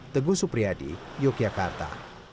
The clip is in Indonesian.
teguh supriyadi yogyakarta